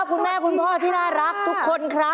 คุณพ่อที่น่ารักทุกคนครับ